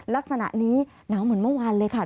ลักษณะนี้หนาวเหมือนเมื่อวานเลยค่ะ